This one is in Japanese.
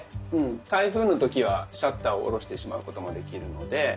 台風の時はシャッターを下ろしてしまうこともできるので。